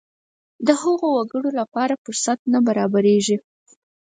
د هغو وګړو لپاره فرصت نه برابرېږي.